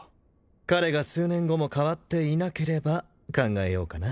彼が数年後も変わっていなければ考えようかな